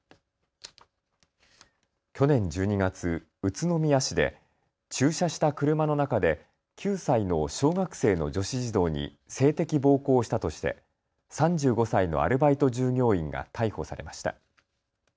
去年１２月、宇都宮市で駐車した車の中で９歳の小学生の女子児童に性的暴行をしたとして３５歳のアルバイト従業員が逮捕されました。